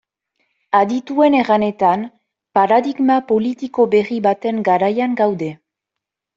Adituen erranetan, paradigma politiko berri baten garaian gaude.